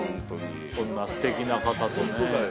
こんなすてきな方とね。